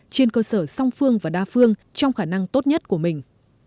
trên cơ sở song phương và đa phương trong khả năng tốt nhất của mình